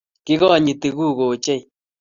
Kikonyitii gugo ochei